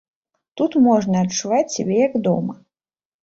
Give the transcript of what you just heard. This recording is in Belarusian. Тут можна адчуваць сябе як дома.